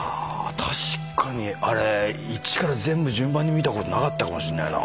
確かにあれ１から全部順番に見たことなかったかもしんないな。